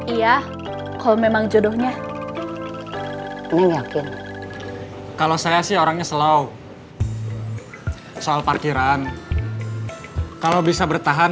iya kalau memang jodohnya kalau saya sih orangnya slow soal parkiran kalau bisa bertahan